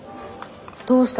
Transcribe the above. どうした？